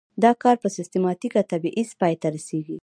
دا کار په سیستماتیک تبعیض پای ته رسیږي.